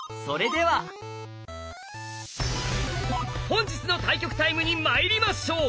本日の対局タイムにまいりましょう！